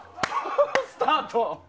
スタートは。